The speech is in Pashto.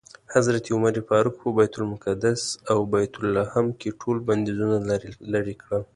حضرت عمر فاروق په بیت المقدس او بیت لحم کې ټول بندیزونه لرې کړل.